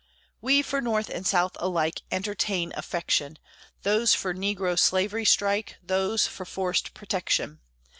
We for North and South alike Entertain affection; These for negro slavery strike; Those for forced protection.